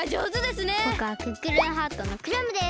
ぼくはクックルンハートのクラムです。